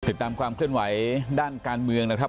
ติดตามความเคลื่อนไหวด้านการเมืองนะครับ